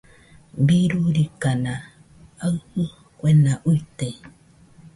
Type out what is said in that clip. Birurikana aɨfo kuena uite.